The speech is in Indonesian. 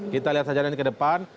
kita lihat saja ini ke depan